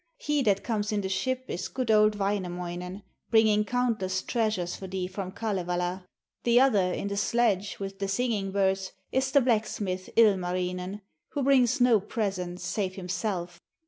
He that comes in the ship is good old Wainamoinen, bringing countless treasures for thee from Kalevala. The other in the sledge, with the singing birds, is the blacksmith Ilmarinen, who brings no presents save himself.